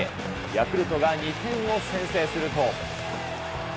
ヤクルトが２点を先制すると。